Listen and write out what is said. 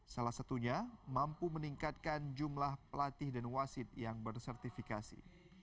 salah satunya mampu meningkatkan jumlah pelatih dan wasit yang bersertifikasi